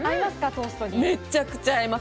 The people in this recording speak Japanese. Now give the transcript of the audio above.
めちゃくちゃ合います。